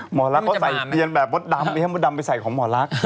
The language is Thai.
หมอลักก็ใส่เทียนแบบหมดดำให้หมดดำไปใส่ของหมอลัก